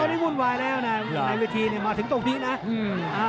วันนี้หุ้นวายแล้วนี่ในวิธีมาถึงตรงนี้นะ